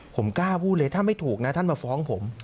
ผมกล้าพูดเลยถ้าไม่ถูกนะท่านมาฟ้องผม